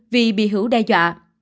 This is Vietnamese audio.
vì bị hữu đe dọa